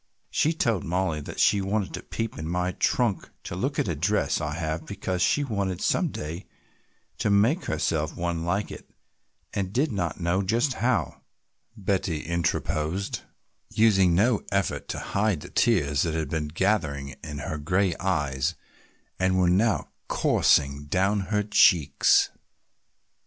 "She told Mollie that she wanted to peep in my trunk to look at a dress I have because she wanted some day to make herself one like it and did not know just how," Betty interposed, using no effort to hide the tears that had been gathering in her gray eyes and were now coursing down her cheeks.